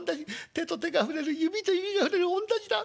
手と手が触れる指と指が触れるおんなじだ。